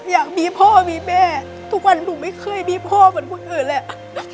อยากมีพ่อมีแม่ทุกวันหนูไม่เคยมีพ่อเหมือนคนอื่นแหละ